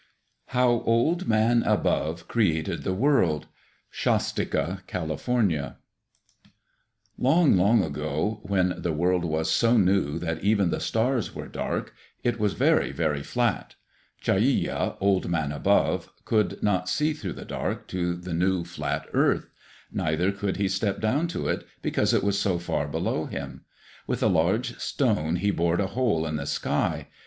How Old Man Above Created the World Shastika (Cal.) Long, long ago, when the world was so new that even the stars were dark, it was very, very flat. Chareya, Old Man Above, could not see through the dark to the new, flat earth. Neither could he step down to it because it was so far below him. With a large stone he bored a hole in the sky.